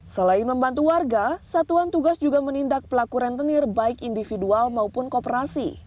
selain membantu warga satuan tugas juga menindak pelaku rentenir baik individual maupun kooperasi